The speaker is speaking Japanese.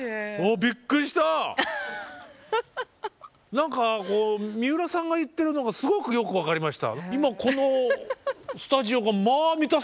何かこう三浦さんが言ってるのがすごくよく分かりました。